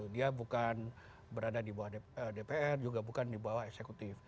dia bukan berada di bawah dpr juga bukan di bawah eksekutif